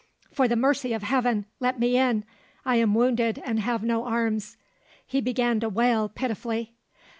"For the mercy of Heaven, let me in! I am wounded and have no arms." He began to wail pitifully.